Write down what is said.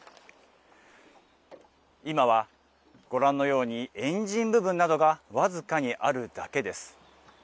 今はご覧のように、エンジン部分などが僅かにあるだけです。